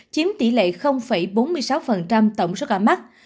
chiếm tỷ lệ bốn mươi sáu tổng số ca mắc